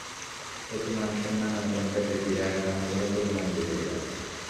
এতে মানুষের নানা রকম পেটের পীড়ায় আক্রান্ত হওয়ার পরিমাণ বেড়ে যায়।